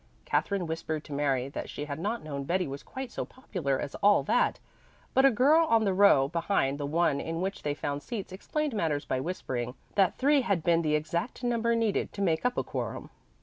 Katherine whispered to Mary that she had not known Betty was quite so popular as all that; but a girl on the row behind the one in which they found seats explained matters by whispering that three had been the exact number needed to make up a quorum.